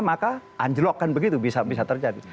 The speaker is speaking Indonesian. maka anjlok kan begitu bisa terjadi